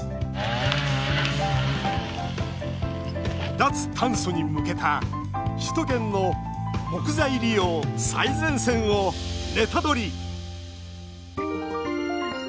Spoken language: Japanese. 脱炭素に向けた首都圏の木材利用最前線をネタドリ！